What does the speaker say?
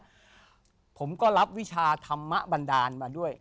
มาปุ๊บเนี่ยผมก็รับวิชาธรรมะบันดาลมาด้วย